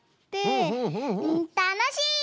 たのしい！